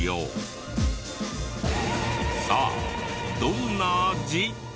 さあどんな味？